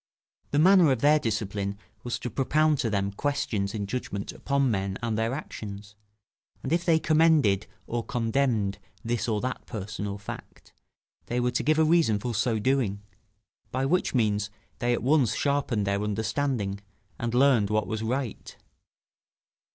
The manner of their discipline was to propound to them questions in judgment upon men and their actions; and if they commended or condemned this or that person or fact, they were to give a reason for so doing; by which means they at once sharpened their understanding, and learned what was right.